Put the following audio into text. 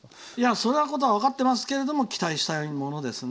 そんなことは分かっていますが期待したいものですね。